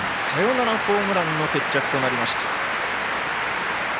サヨナラホームランの決着となりました。